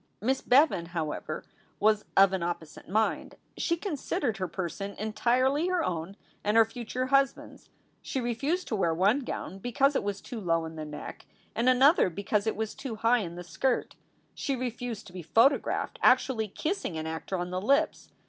Miss Bevan, however, was of an opposite mind. She considered her person entirely her own and her future hus band s. She refused to wear one gown because it was too low in the neck, and another because it was too high in the skirt. She refused to be photographed actually kissing an actor on the lips.